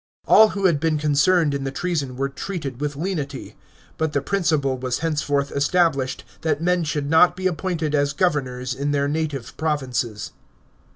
All who had been con cerned in the treason were treated with lenity ; but the principle was henceforth established that men should not be appointed as governors in their native provinces.